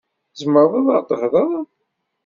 Tzemreḍ ad aɣ-d-theḍṛeḍ.